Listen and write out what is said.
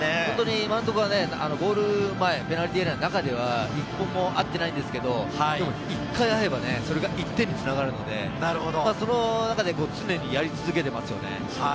今のところはゴール前、ペナルティーエリアの中では一歩も合っていないんですけれど、でも１回合えば、それが１点につながるので、常にやり続けていますよね。